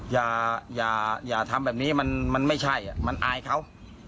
อย่าอย่าอย่าทำแบบนี้มันมันไม่ใช่มันอายเขา